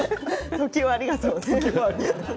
時生ありがとう。